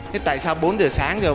thế tại sao bốn giờ sáng rồi